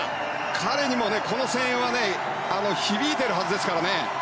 彼にもこの声援は響いているはずですからね。